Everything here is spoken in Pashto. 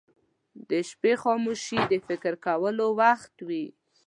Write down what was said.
• د شپې خاموشي د فکر کولو وخت وي.